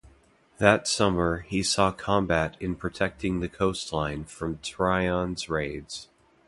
That summer, he saw combat in protecting the coastline from Tryon's raids.